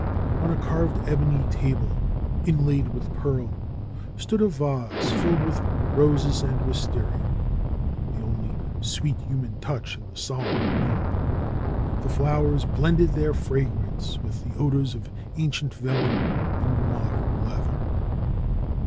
On a carved ebony table inlaid with pearl, stood a vase filled with roses and wistaria; the only sweet human touch in the sol emn room. The flowers blended their fragrance with the odors of ancient vellum and modern leather.